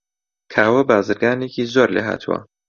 کاوە بازرگانێکی زۆر لێهاتووە.